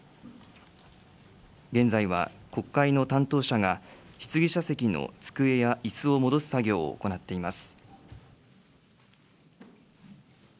現在は、国会の担当者が質疑者席の机やいすを戻す作業を行っています。